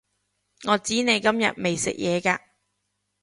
我知你今日未食嘢㗎